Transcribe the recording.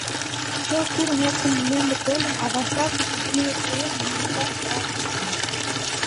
— Пел курым эртыме мӧҥгӧ тольым, а вашталтышым, илыш уэммым нимогайым ом уж.